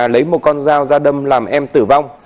lấy một con dao ra đâm làm em tử vong